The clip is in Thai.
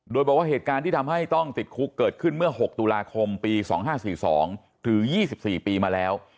โดยบอกว่าเหตุการณ์ที่ทำให้ต้องติดคุกเกิดขึ้นเมื่อ๖ตุลาคมปี๒๕๔๒ถึง๒๔ปีมาแล้ว